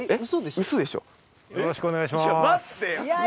よろしくお願いします。